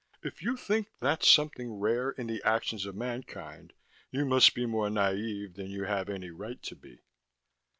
If you think that's something rare in the actions of mankind, you must be more naive than you have any right to be."